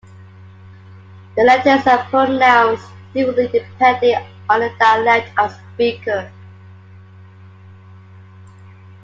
The letters are pronounced differently depending on the dialect of speaker.